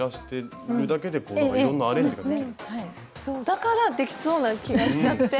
だからできそうな気がしちゃって。